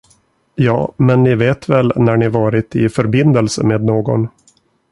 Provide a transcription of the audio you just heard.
Ja, men ni vet väl när ni varit i förbindelse med någon.